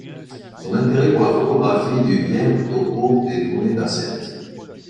Son intérêt pour la photographie lui vient au cours des tournées d'Accept.